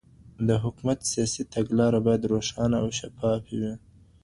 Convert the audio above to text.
د حکومت سياسي تګلاري بايد روښانه او شفافې وي.